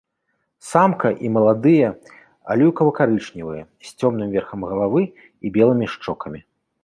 Самка і маладыя аліўкава-карычневыя з цёмным верхам галавы і белымі шчокамі.